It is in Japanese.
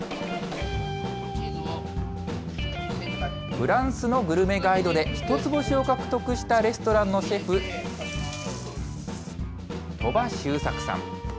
フランスのグルメガイドで１つ星を獲得したレストランのシェフ、鳥羽周作さん。